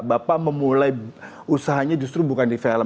bapak memulai usahanya justru bukan di film